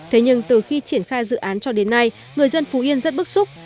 thế nhưng từ khi triển khai dự án cho đến nay người dân phú yên rất bức xúc